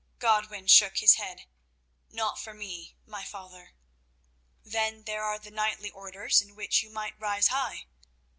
Godwin shook his head. "Not for me, my father." "Then there are the knightly Orders, in which you might rise high."